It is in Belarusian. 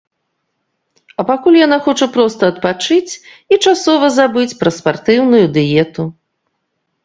А пакуль яна хоча проста адпачыць і часова забыць пра спартыўную дыету.